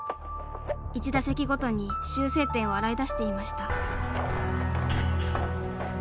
一打席ごとに修正点を洗い出していました。